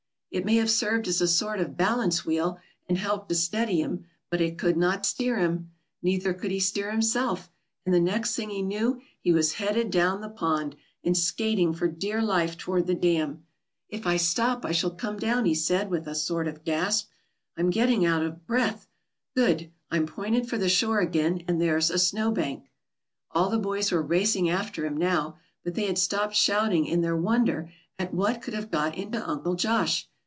It may have served as a sort of balance wheel, and helped to steady him, but it could not steer him. Neither could he steer himself, and the next thing he knew he was headed down the pond, and skating for dear life toward the dam. "If I stop, I shall come down," he said, with a sort of gasp. "I'm getting out of breath. Good! I'm pointed for the shore again, and there's a snow bank." All the boys were racing after him now, but they had stopped shouting in their wonder at what could have got into Uncle Josh.